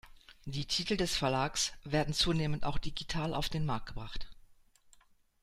Die Titel des Verlags werden zunehmend auch digital auf den Markt gebracht.